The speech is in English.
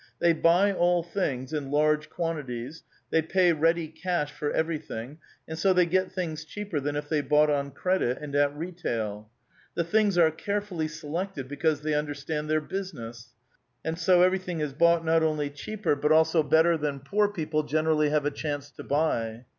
They buy all things in large quan tities ; Ihey pa}^ ready cash for everything, and so they get things cheaper than if they bought on credit and at retail. The things are carefully selected because the}* understand their business ; and s6 everything is bought not only cheaper but also better than poor people generally have a chance to buv.